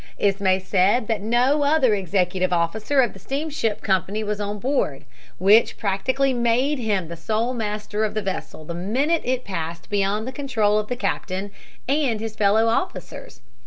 Ismay said that no other executive officer of the steamship company was on board, which practically made him the sole master of the vessel the minute it passed beyond the control of the captain and his fellow officers.